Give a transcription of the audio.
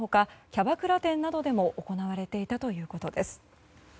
キャバクラ店などでも行われていたということです。